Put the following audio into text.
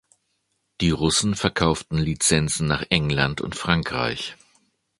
Die Russen verkauften Lizenzen nach England und Frankreich.